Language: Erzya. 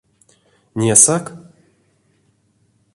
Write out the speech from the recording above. Несак?